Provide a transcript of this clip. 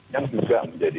yang juga menjadi